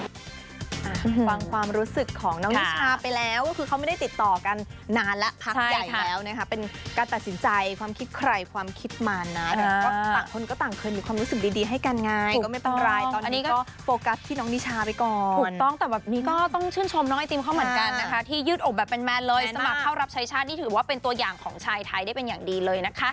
ตอนนี้ความรู้สึกของน้องนิช่าไปแล้วคือเขาไม่ได้ติดต่อกันนานแล้วพักใหญ่แล้วนะครับเป็นการตัดสินใจความคิดใครความคิดมันนะครับต่างคนก็ต่างเคยมีความรู้สึกดีให้กันไงก็ไม่ปังรายตอนนี้ก็โฟกัสที่น้องนิช่าไปก่อนถูกต้องแต่แบบนี้ก็ต้องชื่นชมน้องไอตีมเขาเหมือนกันนะคะที่ยืดอกแบบแมนเลยสมัครเข้าร